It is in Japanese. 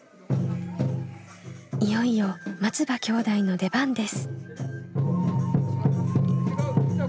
いよいよ松場兄弟の出番です。